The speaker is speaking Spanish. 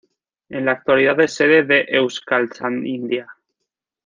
En la actualidad es sede de Euskaltzaindia.